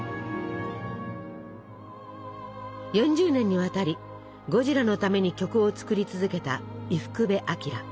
４０年にわたりゴジラのために曲を作り続けた伊福部昭。